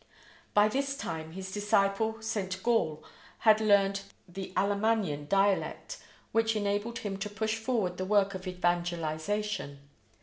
By this time his disciple St. Gall had learned the Alemannian dialect, which enabled him to push forward the work of evangelization.